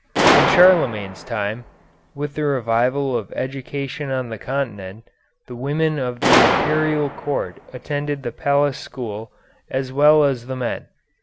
In Charlemagne's time, with the revival of education on the Continent, the women of the Imperial Court attended the Palace School, as well as the men.